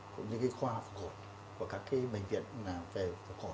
cũng như khoa phục hồi của các bệnh viện về phục hồi